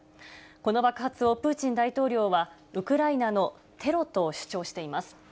この爆発をプーチン大統領は、ウクライナのテロと主張しています。